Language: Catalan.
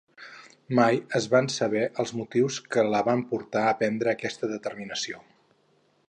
Mai es van saber els motius que la van portar a prendre aquesta determinació.